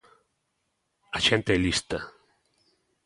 A xente é lista.